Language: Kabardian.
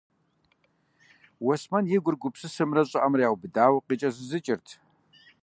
Уэсмэн и гур гупсысэмрэ щӀыӀэмрэ яубыдауэ къикӀэзызыкӀырт.